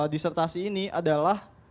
disertasi ini adalah